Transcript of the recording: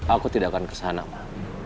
aku tidak akan ke sana ma